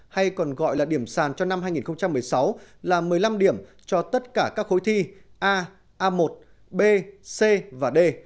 hay còn gọi là điểm sàn cho năm hai nghìn một mươi sáu là một mươi năm điểm cho tất cả các khối thi a a một b c và d